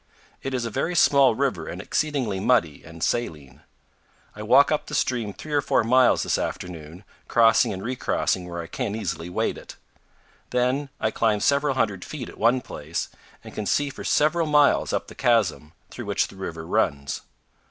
It is a very small river and exceedingly muddy and saline. I walk up the stream three or four miles this afternoon, crossing and recrossing where I can easily wade it. Then I climb several hundred feet at one place, and can see for several miles up the chasm through which the river runs.